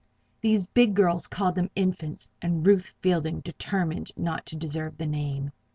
These big girls called them "Infants," and Ruth Fielding determined not to deserve the name.